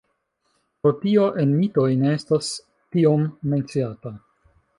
Pro tio en mitoj ne estas tiom menciata.